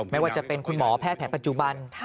ไม่ว่าจะเป็นคุณหมอแพทย์แผนปัจจุบัน